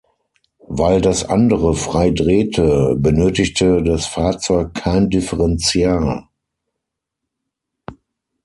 Weil das andere frei drehte, benötigte das Fahrzeug kein Differential.